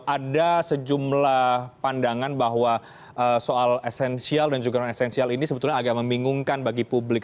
ada sejumlah pandangan bahwa soal esensial dan juga non esensial ini sebetulnya agak membingungkan bagi publik